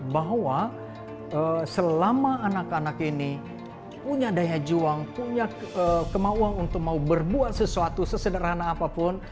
bahwa selama anak anak ini punya daya juang punya kemauan untuk mau berbuat sesuatu sesederhana apapun